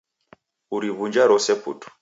Uriw'unja rose putu